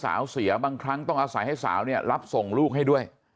เสียบางครั้งต้องอาศัยให้สาวเนี่ยรับส่งลูกให้ด้วย